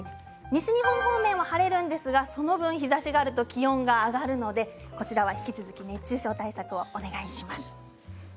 西日本方面は晴れるんですがその分、日ざしがあると気温が上がるのでこちらは引き続き熱中症対策をお願いします。